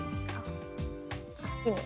いいね。